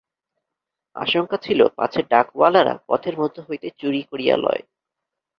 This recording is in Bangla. আশঙ্কা ছিল, পাছে ডাকওয়ালারা পথের মধ্য হইতে চুরি করিয়া লয়।